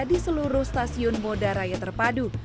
di seluruh stasiun moda raya terpadu